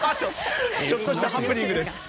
ちょっとしたハプニングです。